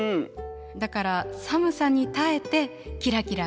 だから寒さに耐えてキラキラ輝く。